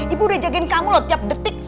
ibu udah jagain kamu loh tiap detik